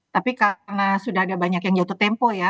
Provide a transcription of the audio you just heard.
tapi karena sudah ada banyak yang jatuh tempo ya